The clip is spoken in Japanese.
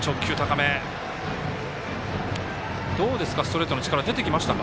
どうですか、ストレートの力出てきましたか？